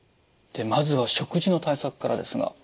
でまずは食事の対策からですが。